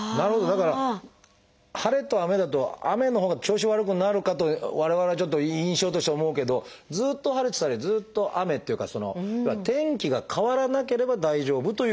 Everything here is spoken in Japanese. だから晴れと雨だと雨のほうが調子悪くなるかと我々はちょっと印象としては思うけどずっと晴れてたりずっと雨っていうか天気が変わらなければ大丈夫というようなこと？